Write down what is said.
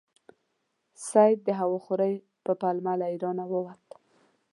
سید د هوا خورۍ په پلمه له ایرانه ووت.